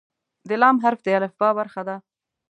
د "ل" حرف د الفبا برخه ده.